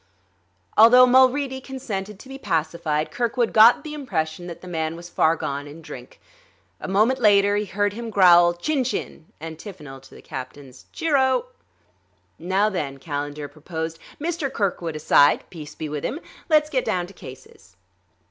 Although Mulready consented to be pacified, Kirkwood got the impression that the man was far gone in drink. A moment later he heard him growl "Chin chin!" antiphonal to the captain's "Cheer o!" "Now, then," Calendar proposed, "Mr. Kirkwood aside peace be with him! let's get down to cases."